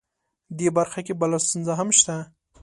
دې برخه کې بله ستونزه هم شته